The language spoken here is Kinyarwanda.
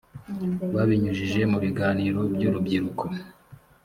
babinyujije mu biganiro by’urubyiruko